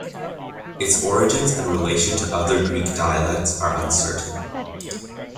Its origins and relation to other Greek dialects are uncertain.